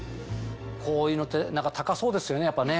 こういうのって高そうですよねやっぱね。